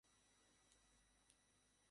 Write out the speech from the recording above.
আমাদের দুইজনের হাতেই?